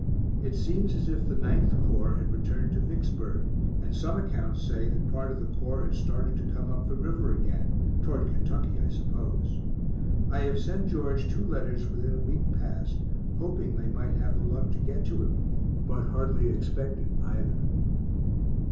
It seems as if the 9th Corps had returned to Vicksburg, and some acc'ts say that part of the Corps had started to come up the river again toward Kentucky, I suppose. I have sent George two letters within a week past, hoping they might have the luck to get to him, but hardly expect it either.